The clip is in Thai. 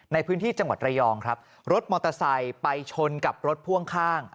ในพื้นที่จังหวัดระยองครับรถมอเตอร์ไซค์ไปชนกับรถพ่วงข้าง